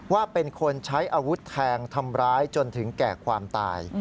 ว่าเป็นคนใช้อาวุธแทงทำร้ายจนถึงแก่ความตาย